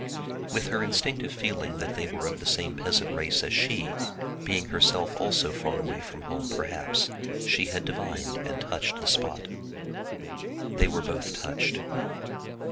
With the instinctive feeling that they were of the same peasant race as she, being herself perhaps also far away from home, she had divined and touched the spot. They were both touched.